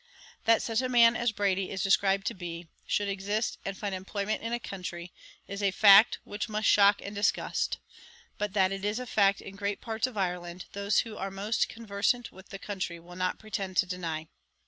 That such a man as Brady is described to be, should exist and find employment in a country, is a fact which must shock and disgust; but that it is a fact in great parts of Ireland, those who are most conversant with the country will not pretend to deny.